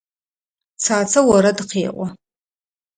Цацэ орэд къеӏо.